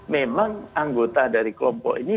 memang anggota dari kelompok ini